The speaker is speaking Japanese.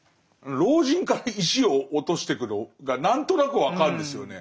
老人から石を落としてくのが何となく分かるんですよね。